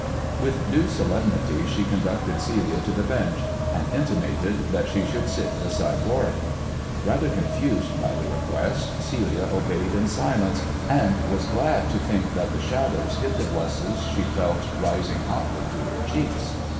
With due solemnity she conducted Celia to the bench, and intimated that she should sit beside Warwick. Bather confused by the request Celia obeyed in silence, and was glad to think that the shadows hid the blushes she felt rising hotly in her cheeks.